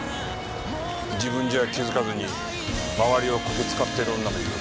自分じゃ気づかずに周りをこき使ってる女もいる。